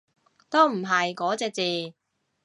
都唔係嗰隻字